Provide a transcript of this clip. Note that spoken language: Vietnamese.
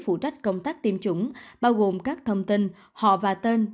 phụ trách công tác tiêm chủng bao gồm các thông tin họ và tên